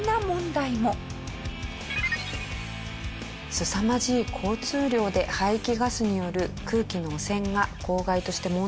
すさまじい交通量で排気ガスによる空気の汚染が公害として問題になっています